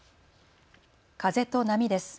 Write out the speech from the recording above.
風と波です。